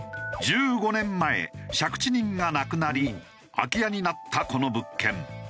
１５年前借地人が亡くなり空き家になったこの物件。